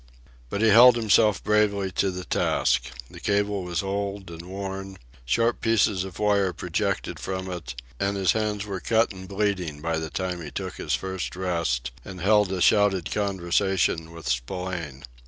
But he held himself bravely to the task. The cable was old and worn, sharp pieces of wire projected from it, and his hands were cut and bleeding by the time he took his first rest, and held a shouted conversation with Spillane.